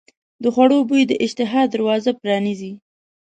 د خوړو بوی د اشتها دروازه پرانیزي.